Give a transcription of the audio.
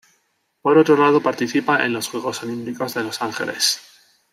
Por otro lado participa en los Juegos Olímpicos de Los Ángeles.